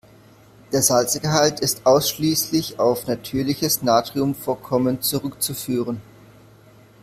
Der Salzgehalt ist ausschließlich auf natürliches Natriumvorkommen zurückzuführen.